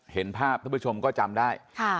เห็นภาพท่านผู้ชมก็จำได้